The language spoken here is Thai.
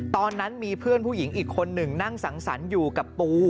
ตอนนั้นมีเพื่อนผู้หญิงอีกคนหนึ่งนั่งสังสรรค์อยู่กับปู